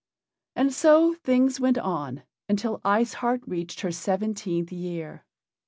And so things went on until Ice Heart reached her seventeenth year.